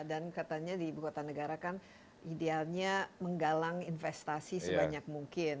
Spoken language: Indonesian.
katanya di ibu kota negara kan idealnya menggalang investasi sebanyak mungkin